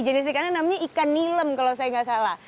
jenis ikannya namanya ikan nilem kalau saya nggak salah